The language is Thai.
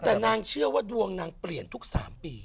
แต่นางเชื่อว่าดวงนางเปลี่ยนทุก๓ปี